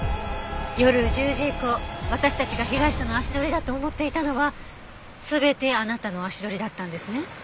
夜１０時以降私たちが被害者の足取りだと思っていたのは全てあなたの足取りだったんですね。